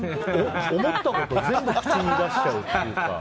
思ったことを全部口に出しちゃうっていうか。